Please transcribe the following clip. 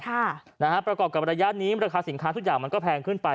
ค่ะนะฮะประกอบกับระยะนี้ราคาสินค้าทุกอย่างมันก็แพงขึ้นไป